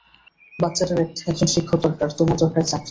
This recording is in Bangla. বাচ্চাটার একজন শিক্ষক দরকার, তোমার দরকার চাকরি।